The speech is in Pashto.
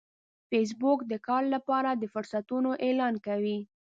فېسبوک د کار لپاره د فرصتونو اعلان کوي